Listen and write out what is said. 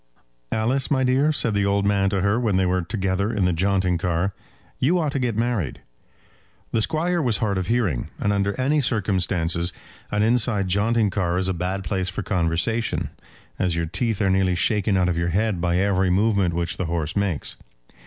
"Alice, my dear," said the old man to her when they were together in the jaunting car, "you ought to get married." The Squire was hard of hearing, and under any circumstances an inside jaunting car is a bad place for conversation, as your teeth are nearly shaken out of your head by every movement which the horse makes.